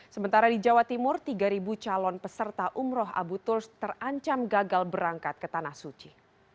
sementara di jawa timur tiga calon peserta umroh abu turs terancam gagal berangkat ke tanah suci